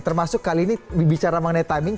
termasuk kali ini bicara mengenai timing